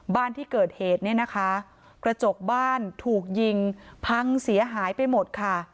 บ้านที่เกิดเหตุกระจกบ้านถูกยิงพังเสียหายไปหมด